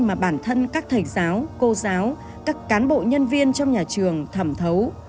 mà bản thân các thầy giáo cô giáo các cán bộ nhân viên trong nhà trường thẩm thấu